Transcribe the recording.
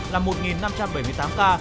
là một năm trăm bảy mươi tám ca